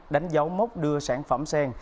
đánh dấu mốc đưa sản phẩm sen